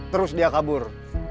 terus dia kabur